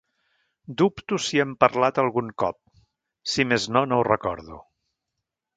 Dubto si hem parlat algun cop; si més no no ho recordo.